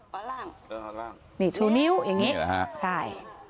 พอล่างนี่ชูนิ้วอย่างนี้ใช่